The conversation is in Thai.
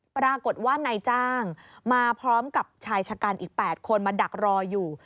ปรากฏว่านายจ้างมาพร้อมกับชายชะกันอีก๘คนมาดักรออยู่